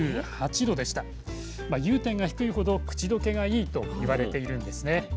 融点が低いほど口どけがいいと言われているんですね。